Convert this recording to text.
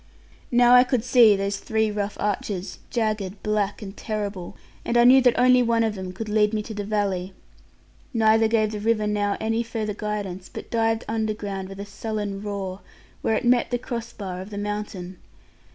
Now I could see those three rough arches, jagged, black, and terrible; and I knew that only one of them could lead me to the valley; neither gave the river now any further guidance; but dived underground with a sullen roar, where it met the cross bar of the mountain.